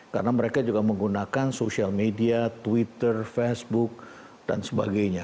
karena mereka juga menggunakan social media twitter facebook dan sebagainya